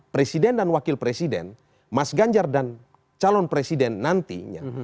presiden dan wakil presiden mas ganjar dan calon presiden nantinya